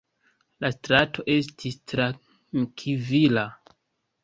La strato estis trankvila.